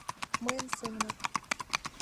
Мыйын семынак.